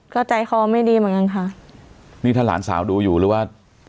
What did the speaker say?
ก็ใจคอไม่ดีเหมือนกันค่ะนี่ถ้าหลานสาวดูอยู่หรือว่า